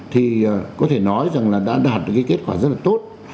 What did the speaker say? thì có thể nói rằng là đã đạt được cái kết quả rất là tốt